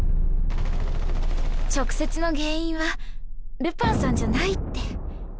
直接の原因はルパンさんじゃないって。